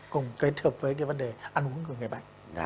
cùng kết hợp với cái vấn đề ăn uống của người bệnh